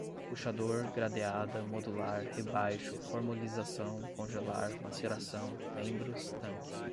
puxador, gradeada, modular, rebaixo, formolização, congelar, maceração, membros, tanque